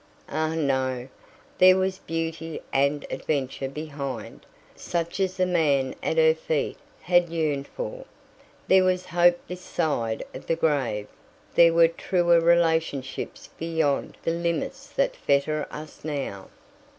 Ah, no; there was beauty and adventure behind, such as the man at her feet had yearned for; there was hope this side of the grave; there were truer relationships beyond the limits that fetter us now.